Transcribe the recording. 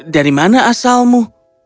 dari mana asalmu